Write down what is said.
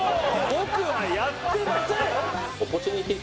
僕はやってません！